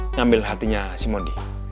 ngambil hatinya si mondi